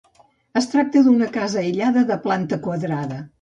Es tracta d'una casa aïllada de planta quadrada.